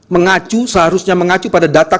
mengacu seharusnya mengacu pada data